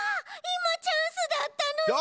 いまチャンスだったのに！